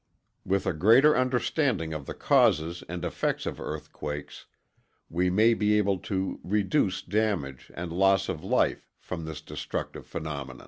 With a greater understanding of the causes and effects of earthquakes, we may be able to reduce damage and loss of life from this destructive phenomenon.